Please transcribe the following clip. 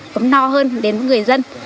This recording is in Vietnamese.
cấm no hơn đến người dân